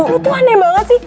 lo tuh aneh banget sih